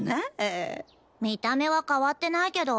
見た目は変わってないけど。